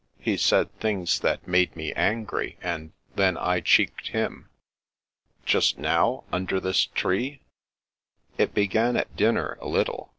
He said things that made me angry, and — ^then I cheeked him." " Just now — ^under this tree? "" It began at dinner, a little.